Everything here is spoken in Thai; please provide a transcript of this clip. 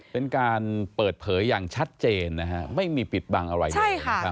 เป็นการเปิดเผยอย่างชัดเจนนะฮะไม่มีปิดบังอะไรเลย